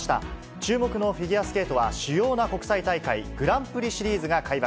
注目のフィギュアスケートは、主要な国際大会、グランプリシリーズが開幕。